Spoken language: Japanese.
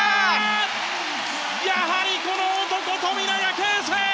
やはりこの男、富永啓生！